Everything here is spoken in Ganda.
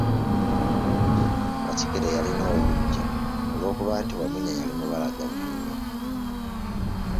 Wakikere yalina obuggya olw'okuba nti wamunya yali mubalagavu nnyo.